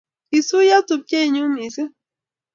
Kisuiyo tupchenyuu missing